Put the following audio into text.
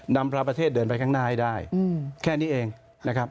นำพระประเทศเดินไปข้างหน้าให้ได้แค่นี้เองนะครับ